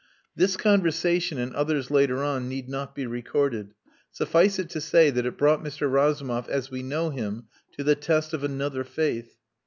This conversation (and others later on) need not be recorded. Suffice it to say that it brought Mr. Razumov as we know him to the test of another faith.